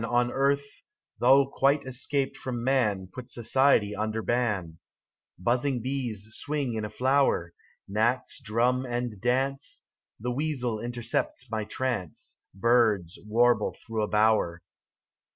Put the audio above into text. On earth, though quite escaped from man, Put society under ban : Buzzing bees swing in a flower. Gnats drum and dance. The weasel intercepts my trance. Birds warble through a bower.